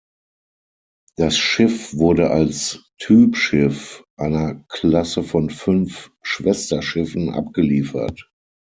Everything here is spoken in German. Das Schiff wurde als Typschiff einer Klasse von fünf Schwesterschiffen abgeliefert.